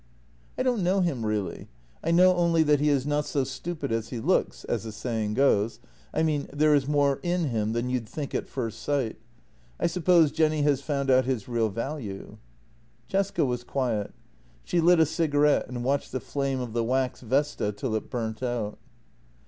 " I don't know him really. I know only that he is not so stupid as he looks — as the saying goes — I mean, there is more in him than you'd think at first sight. I suppose Jenny has found out his real value." Cesca was quiet. She lit a cigarette and watched the flame of the wax vesta till it burnt out.